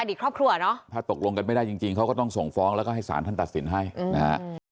ครอบครัวเนอะถ้าตกลงกันไม่ได้จริงจริงเขาก็ต้องส่งฟ้องแล้วก็ให้สารท่านตัดสินให้นะฮะ